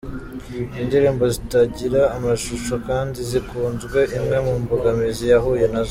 Indirimbo zitagira amashusho kandi zikunzwe, imwe mu mbogamizi yahuye nazo.